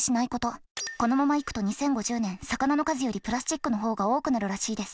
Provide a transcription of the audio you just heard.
このままいくと２０５０年魚の数よりプラスチックの方が多くなるらしいです。